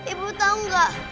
ibu tau gak